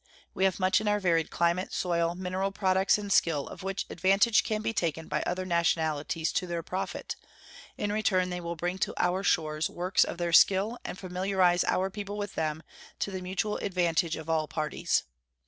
We have much in our varied climate, soil, mineral products, and skill of which advantage can be taken by other nationalities to their profit. In return they will bring to our shores works of their skill and familiarize our people with them, to the mutual advantage of all parties.